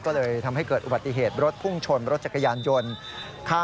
ก็เลยทำให้เกิดอุบัติเหตุรถพุ่งชนรถจักรยานยนต์